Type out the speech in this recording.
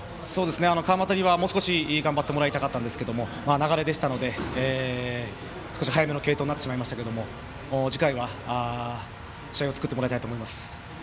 川又にはもう少し頑張ってほしかったですが流れでしたので少し早めの継投になってしまいましたけど次回は試合を作ってもらいたいと思います。